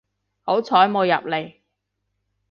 好彩冇入嚟